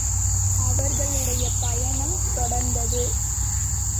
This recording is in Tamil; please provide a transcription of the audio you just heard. அவர்களுடைய பயணம் தொடர்ந்தது.